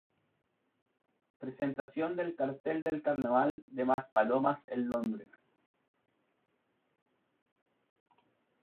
Presentación del Cartel del Carnaval de Maspalomas en Londres.